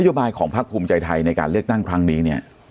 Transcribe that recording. โยบายของพักภูมิใจไทยในการเลือกตั้งครั้งนี้เนี่ย